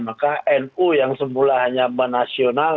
maka nu yang semula hanya menasional